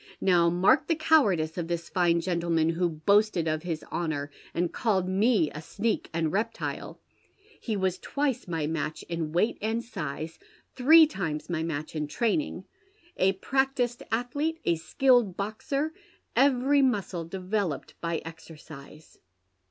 Now mark the cowardice of tins fine gentleman, who boasted of his honour, and called me a sneak and reptile ! He was twice my match in weight and size, three times my match in training, a practised atldete, a skilled boxer, every muscle developed by exercise.